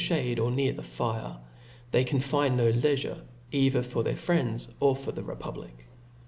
ftiadey or near the fire. They can find no leifure^ ' either for their friends^ or for the republic.